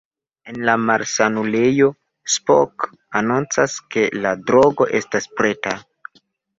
En malsanulejo, Spock anoncas, ke la drogo estas preta.